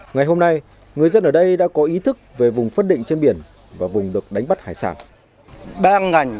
ngày hôm nay người dân ở đây đã có ý thức về vùng phân định trên biển và vùng được đánh bắt hải sản